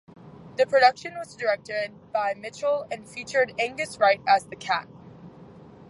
The production was directed by Mitchell and featured Angus Wright as The Cat.